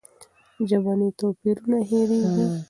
ژبني توپیرونه هېرېږي.